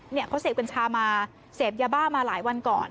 เขาเสพกัญชามาเสพยาบ้ามาหลายวันก่อน